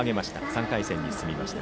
３回戦に進みました。